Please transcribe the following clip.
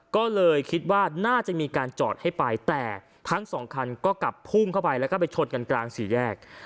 ก็เลยคิดว่าน่าจะมีการจอดให้ไปแต่ทั้งสองคันก็กลับพุ่งเข้าไปแล้วก็ไปชนกันกลางสี่แยก